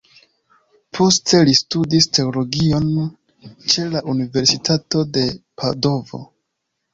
Poste li studis teologion ĉe la universitato de Padovo.